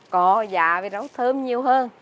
có giả và rau thơm nhiều hơn